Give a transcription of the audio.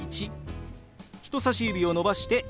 人さし指を伸ばして「１」。